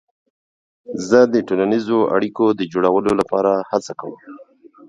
زه د ټولنیزو اړیکو د جوړولو لپاره هڅه کوم.